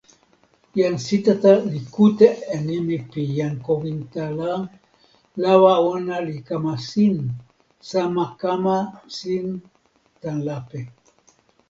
jan Sitata li kute e nimi pi jan Kowinta la lawa ona li kama sin, sama kama sin tan lape.